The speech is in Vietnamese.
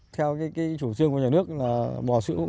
theo chủ trương của nhà nước là bò sữa cũng lớn thuê công nhân này